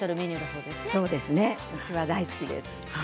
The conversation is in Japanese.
うちは大好きです。